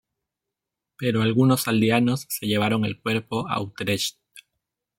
Pero algunos aldeanos se llevaron el cuerpo a Utrecht.